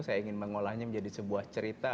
saya ingin mengolahnya menjadi sebuah cerita